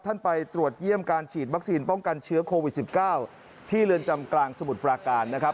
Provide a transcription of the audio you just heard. ไปตรวจเยี่ยมการฉีดวัคซีนป้องกันเชื้อโควิด๑๙ที่เรือนจำกลางสมุทรปราการนะครับ